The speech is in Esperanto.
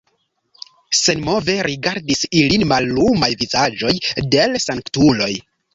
Senmove rigardis ilin mallumaj vizaĝoj de l' sanktuloj.